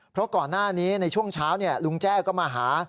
เพราะก่อนหน้านี้ในช่วงเช้าลุงแจ้ก็มาหา